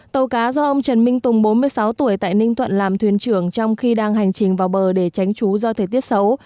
tàu cá do ông trần minh tùng bốn mươi sáu tuổi tại ninh thuận làm thuyền trưởng trong khi đang hành trình vào bờ để tránh trú do thời tiết xấu